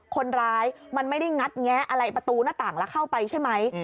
คนร้ายมันไม่ได้งัดแงะอะไรประตูหน้าต่างแล้วเข้าไปใช่ไหม